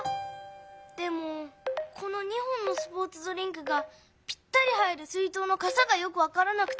でもこの２本のスポーツドリンクがぴったり入る水とうのかさがよくわからなくて。